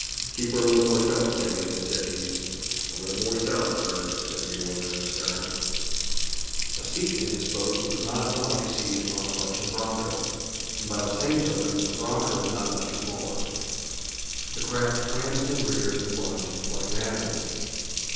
"Keep 'er a little more south, Billie," said he. "'A little more south,' sir," said the oiler in the stern. A seat in this boat was not unlike a seat upon a bucking broncho, and by the same token, a broncho is not much smaller. The craft pranced and reared, and plunged like an animal.